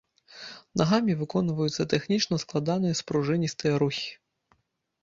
Нагамі выконваюцца тэхнічна складаныя спружыністыя рухі.